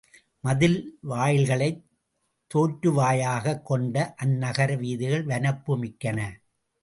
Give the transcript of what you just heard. மதில் வாயில்களைத் தோற்றுவாயாகக் கொண்ட அந் நகர வீதிகள் வனப்பு மிக்கன.